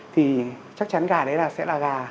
thì chắc chắn gà đấy là sẽ là gà